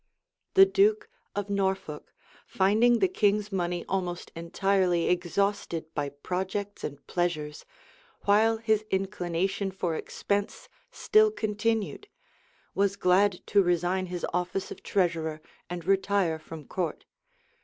[*] The duke of Norfolk, finding the king's money almost entirely exhausted by projects and pleasures, while his inclination for expense still continued, was glad to resign his office of treasurer and retire from court.